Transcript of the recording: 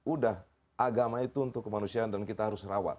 udah agama itu untuk kemanusiaan dan kita harus rawat